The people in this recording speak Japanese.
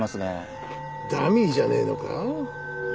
ダミーじゃねえのか？